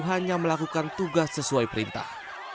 hanya melakukan tugas sesuai perintah